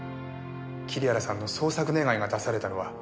桐原さんの捜索願が出されたのは。